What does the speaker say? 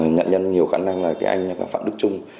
nạn nhân nhiều khả năng là cái anh phạm đức trung